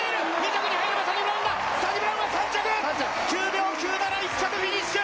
９秒９７、１着フィニッシュ！